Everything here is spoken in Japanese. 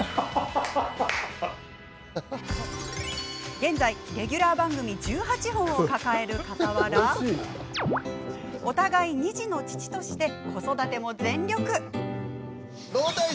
現在、レギュラー番組１８本を抱えるかたわらお互い２児の父として子育ても全力。